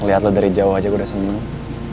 lihat lo dari jauh aja gue udah seneng